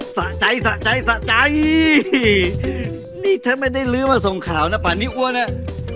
สะใจสะใจสะใจนี่แทบไม่ได้ลื้อมาส่งข่าวนะป่านนี้อ้วนเลย